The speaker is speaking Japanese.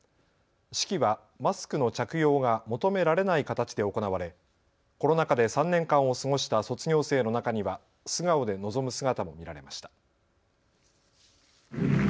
式はマスクの着用が求められない形で行われコロナ禍で３年間を過ごした卒業生の中には素顔で臨む姿も見られました。